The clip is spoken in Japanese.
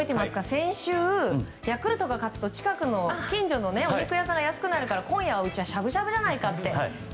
先週ヤクルトが勝つと近くの近所のお肉屋さんが安くなるからって今夜はうちはしゃぶしゃぶじゃないかと。